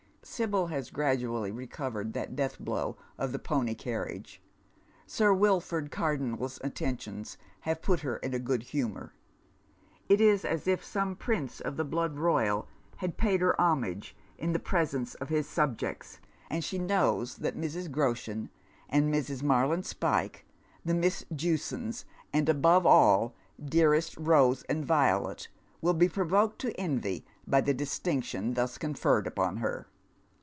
Sibyl has gradually recovered that death blow of the pony carriage. Sir Wilford Cardonnel's attentions have put her in a good humour. It is as if some prince of the blood royal had paid her homage in the presence of his subjects, and she knows that Mrs. Groshen and Mrs. Marlin Spyke, the Miss Jewsons, and above all dearest Rose and Violet, ^vill be provoked to envy by the distinction thus confeiTcd upon her.